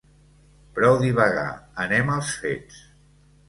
Prou divagar: anem als fets!